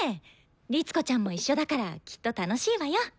律子ちゃんも一緒だからきっと楽しいわよ。